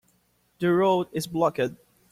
The road is blocked.